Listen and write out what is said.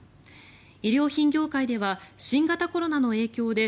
衣料品業界では新型コロナの影響で